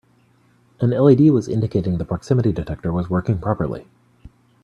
An LED was indicating the proximity detector was working properly.